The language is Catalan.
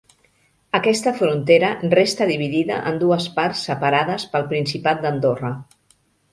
Aquesta frontera resta dividida en dues parts separades pel Principat d'Andorra.